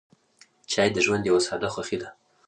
چای د ژوند یوه ساده خوښي ده.